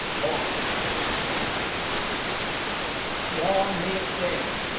Long may it stand! Long may it stand!